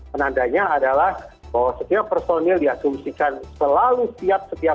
menandanya adalah bahwa setiap personil diasumsikan selalu setiap corpo diri negara